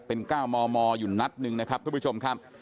เป็น๙มมอยู่นัดหนึ่งนะครับทุกผู้ชมครับ